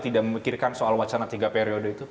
tidak memikirkan soal wacana tiga periode itu